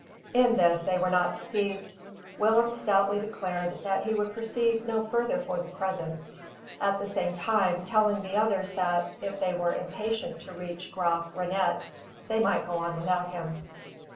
In this they were not deceived. Willem stoutly declared that he would proceed no further for the present; at the same time, telling the others that, if they were impatient to reach Graaf Reinet, they might go on without him.